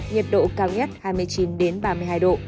nhiệt độ cao nhất hai mươi chín ba mươi hai độ